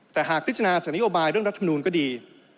แต่หากพิจารณาจากนโยบายเรื่องรัฐมนูลก็ดี